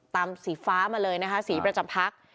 ตามศรีฟ้ามาเลยนะฮะศรีประจำพัก